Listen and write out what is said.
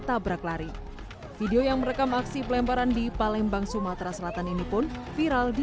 tabrak lari video yang merekam aksi pelemparan di palembang sumatera selatan ini pun viral di